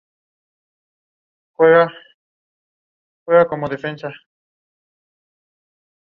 Louis, con los que jugó el último año de competición de la liga.